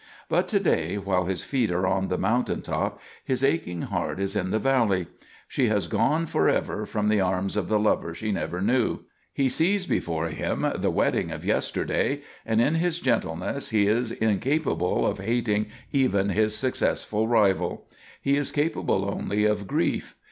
But to day, while his feet are on the mountain top, his aching heart is in the valley. She has gone forever from the arms of the lover she never saw. He sees before him the wedding of yesterday, and in his gentleness he is incapable of hating even his successful rival. He is capable only of grief.